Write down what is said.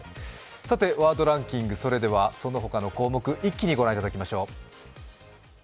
ワードランキング、そのほかの項目を一気にご覧いただきましょう。